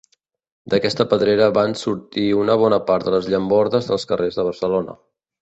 D'aquesta pedrera van sortir una bona part de les llambordes dels carrers de Barcelona.